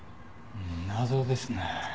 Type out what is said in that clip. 謎ですね。